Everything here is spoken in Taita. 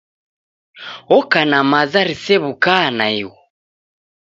Oka na maza risew'uka naighu.